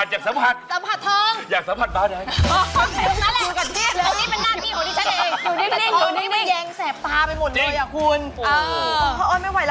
หรือนี่มึงแยงแสบตาไปหมดเลย